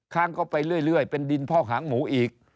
ค้างเข้าไปเรื่อยเป็นดินพอกหางหมูอีก